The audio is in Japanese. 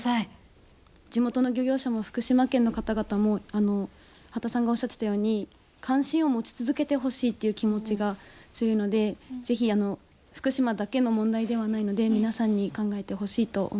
地元の漁業者も福島県の方々も羽田さんがおっしゃってたように関心を持ち続けてほしいという気持ちが強いのでぜひ福島だけの問題ではないので皆さんに考えてほしいと思います。